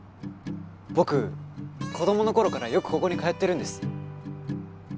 僕子供の頃からよくここに通ってるんです